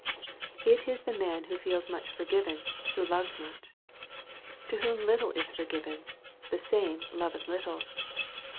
It is the man who feels much forgiven who loves much. " To whom little is forgiven, the same loveth little."